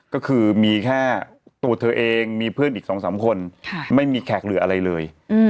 ก็คือมีแค่ตัวเธอเองมีเพื่อนอีก๒๓คนไม่มีแขกเหลืออะไรเลย